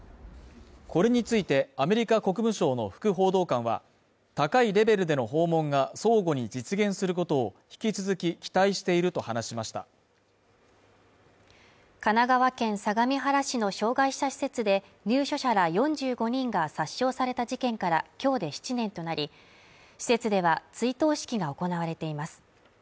これについてアメリカ国務省の副報道官は高いレベルでの訪問が相互に実現することを引き続き期待していると話しました神奈川県相模原市の障害者施設で入所者ら４５人が殺傷された事件からきょうで７年となり施設では追悼式が行われています